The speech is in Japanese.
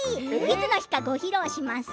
いつの日かご披露します。